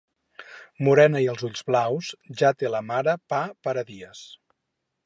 Morena i els ulls blaus, ja té la mare pa per a dies.